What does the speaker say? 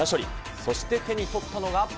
そして手に取ったのが。